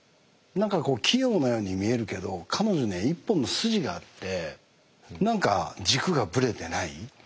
何かこう器用なように見えるけど彼女には一本の筋があって何か軸がぶれてない。